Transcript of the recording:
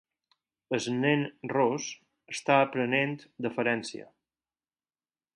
El nen ros està aprenent deferència.